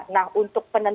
nah untuk penelitian